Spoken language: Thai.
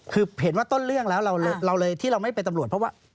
คือเห็นว่าต้นเรื่องแล้วเราเลยที่เราไม่เป็นตำรวจเพราะว่า